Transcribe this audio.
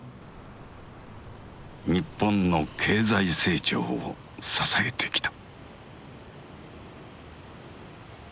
日本の経済成長を支えてきた。